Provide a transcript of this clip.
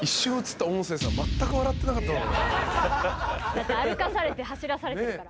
だって歩かされて走らされてるから。